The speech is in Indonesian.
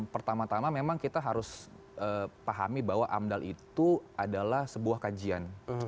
pertama tama memang kita harus pahami bahwa amdal itu adalah sebuah kajian